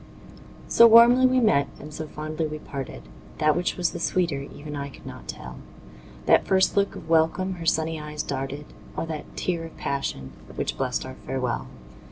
So warmly we met and so fondly we parted, That which was the sweeter even I could not tell, That first look of welcome her sunny eyes darted, Or that tear of passion, which blest our farewell.